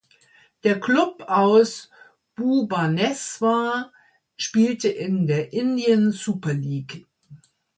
Der Klub aus Bhubaneswar spielte in der Indian Super League.